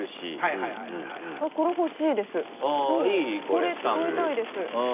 これ使いたいです。